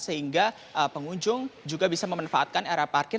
sehingga pengunjung juga bisa memanfaatkan era parkir